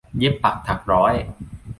เย็บปักถักร้อย